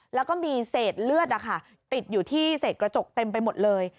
แล้วก็มีเศษเลือดติดอยู่ที่เศษกระจกเต็มไปหมดเลย